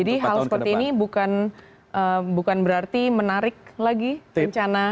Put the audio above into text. jadi hal seperti ini bukan berarti menarik lagi rencana investasi